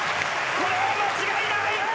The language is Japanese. これは間違いない！